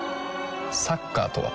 サッカーとは？